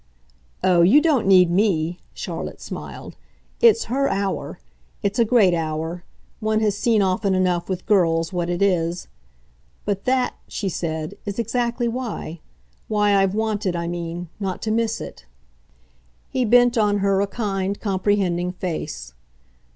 "Oh, you don't need me!" Charlotte smiled. "It's her hour. It's a great hour. One has seen often enough, with girls, what it is. But that," she said, "is exactly why. Why I've wanted, I mean, not to miss it." He bent on her a kind, comprehending face.